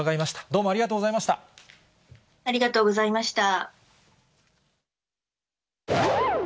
どうもあありがとうございました。